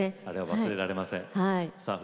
忘れられません。